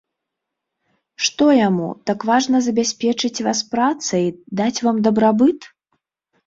Што яму, так важна забяспечыць вас працай, даць вам дабрабыт?